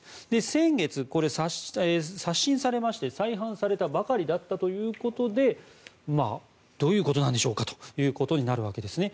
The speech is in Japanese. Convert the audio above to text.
先月、刷新されまして再版されたばかりだったということでどういうことなんでしょうかということになるわけですね。